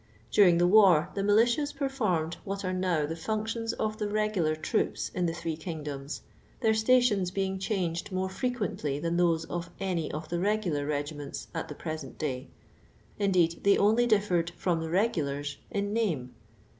During the war the militias per formed what are now the functions of the recular troops in the three kingdoms, their stAtioni being changed more frequently than those of any of the ^regular regiments at the present day. Indeed, they only differed from the " reguLirs "' in name.